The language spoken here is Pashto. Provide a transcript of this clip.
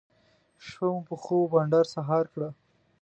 شپه مو په خوب او بانډار سهار کړه.